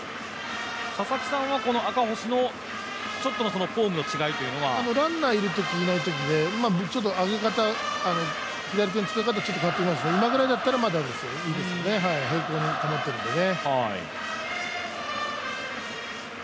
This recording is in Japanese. この赤星のちょっとのフォームの違いというのはランナーいるときいないときで、上げ方左手の使い方が変わってくるけど今ぐらいだったらいいですね、平行に保ってるんでね。